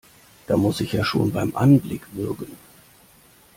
Da muss ich ja schon beim Anblick würgen!